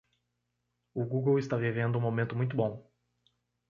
O Google está vivendo um momento muito bom.